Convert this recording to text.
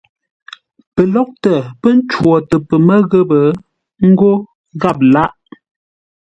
Pəlóghʼtə pə́ ncwotə pəmə́ ghəpə́ ńgó gháp lâghʼ.